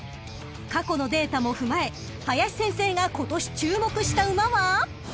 ［過去のデータも踏まえ林先生が今年注目した馬は？］